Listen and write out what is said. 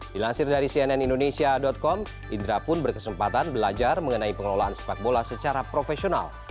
dilansir dari cnn indonesia com indra pun berkesempatan belajar mengenai pengelolaan sepak bola secara profesional